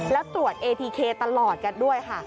แล้วตรวจเอทีเคตลอดกันด้วยค่ะ